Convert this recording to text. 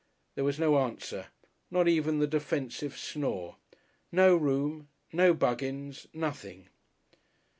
There was no answer, not even the defensive snore. No room, no Buggins, nothing!